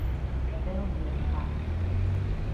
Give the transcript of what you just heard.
Belje har.